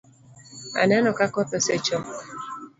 Aneno ka koth osechok